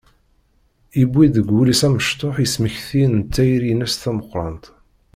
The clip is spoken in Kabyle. Yewwi deg wul-is amecṭuḥ ismektiyen n tayri-ines tameqqrant.